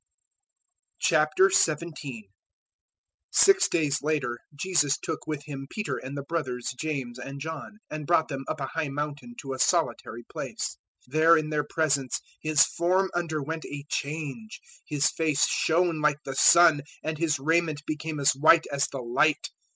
017:001 Six day later, Jesus took with Him Peter and the brothers James and John, and brought them up a high mountain to a solitary place. 017:002 There in their presence His form underwent a change; His face shone like the sun, and His raiment became as white as the light.